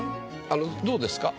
どうですか？